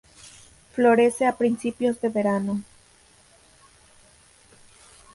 Florece a principios de verano.